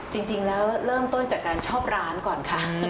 จริงแล้วเริ่มต้นจากการชอบร้านก่อนค่ะ